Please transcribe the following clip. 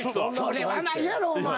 それはないやろお前。